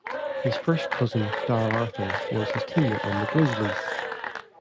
His first cousin Darrell Arthur was his teammate on the Grizzlies.